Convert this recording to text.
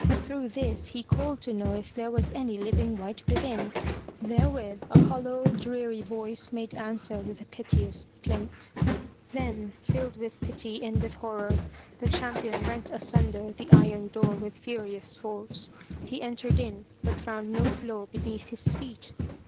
Through this, he called to know if there was any living wight within. Therewith a hollow, 37 MY BOOK HOUSE dreary voice made answer with a piteous plaint. Then, filled with pity and with horror, the champion rent asunder the iron door with furious force. He entered in, but found no floor be neath his feet.